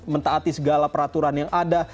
minta hati segala peraturan yang ada